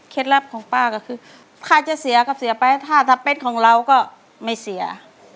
ลับของป้าก็คือค่าจะเสียก็เสียไปถ้าถ้าเป็นของเราก็ไม่เสีย